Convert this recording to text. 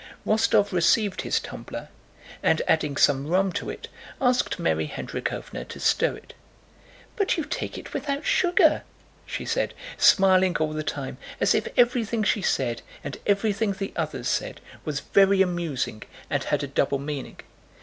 Rostóv received his tumbler, and adding some rum to it asked Mary Hendríkhovna to stir it. "But you take it without sugar?" she said, smiling all the time, as if everything she said and everything the others said was very amusing and had a double meaning.